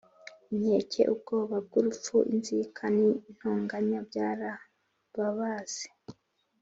inkeke, ubwoba bw’urupfu, inzika n’intonganya byarababase